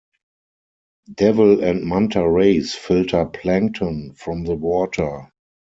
Devil and manta rays filter plankton from the water.